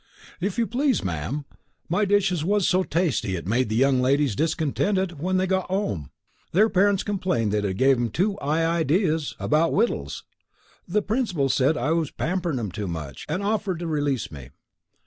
"If you please, ma'am, my dishes was so tasty that it made the young ladies discontented when they got 'ome. Their parents complained that it gave 'em too 'igh ideas about wittles. The principal said I was pamperin' 'em too much, an' offered to release me."